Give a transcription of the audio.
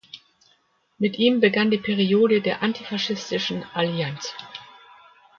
Mit ihm begann die Periode der antifaschistischen Allianz.